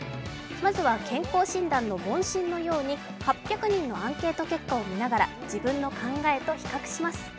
まずは健康診断の問診のように８００人のアンケート結果を見ながら自分の考えと比較します。